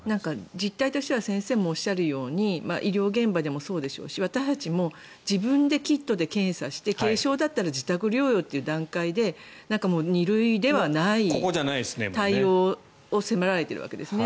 実態としては先生もおっしゃるように医療現場でもそうでしょうし私たちも自分でキットで検査して軽症だったら自宅療養という段階で２類ではない対応を迫られてるわけですね。